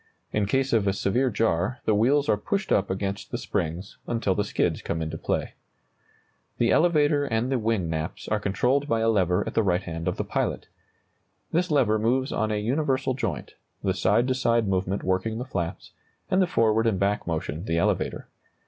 In case of a severe jar, the wheels are pushed up against the springs until the skids come into play. The elevator and the wing naps are controlled by a lever at the right hand of the pilot. This lever moves on a universal joint, the side to side movement working the flaps, and the forward and back motion the elevator.